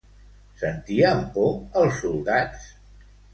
Sentien por els soldats?